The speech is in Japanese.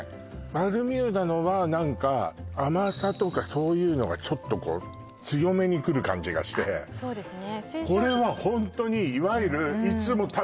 バルミューダのは何か甘さとかそういうのがちょっとこう強めにくる感じがしてそうですね